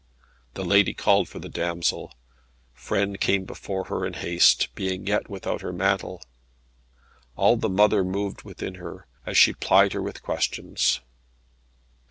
The lady called for the damsel. Frêne came before her in haste, being yet without her mantle. All the mother moved within her, as she plied her with questions.